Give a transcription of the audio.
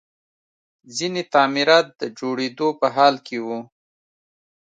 ځینې تعمیرات د جوړېدلو په حال کې وو